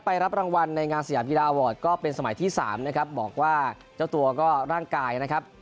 รับรางวัลในงานสยามกีฬาอาวอร์ดก็เป็นสมัยที่สามนะครับบอกว่าเจ้าตัวก็ร่างกายนะครับ